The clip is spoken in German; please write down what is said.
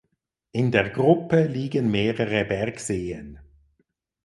In der Gruppe liegen mehrere Bergseen.